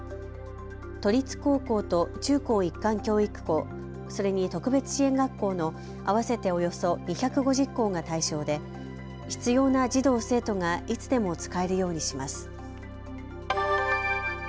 都立高校と中高一貫教育校、それに特別支援学校の合わせておよそ２５０校が対象で必要な児童、生徒がいつでも使えるようにします。